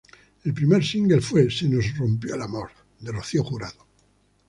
El primer single fue "Se nos rompió el amor" de Rocío Jurado.